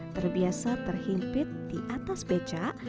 terbiasa terhimpit di atas becak